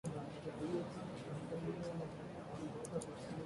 Las dos fuerzas se unieron en Piacenza y avanzaron hacia Roma.